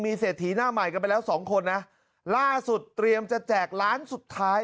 เศรษฐีหน้าใหม่กันไปแล้วสองคนนะล่าสุดเตรียมจะแจกล้านสุดท้าย